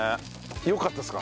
よかったですか？